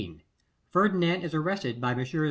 _Ferdinand Is Arrested by Messrs.